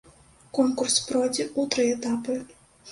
Конкурс пройдзе ў тры этапы.